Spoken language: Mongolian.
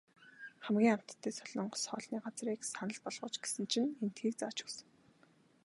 Хамгийн амттай солонгос хоолны газрыг санал болгооч гэсэн чинь эндхийг зааж өгсөн.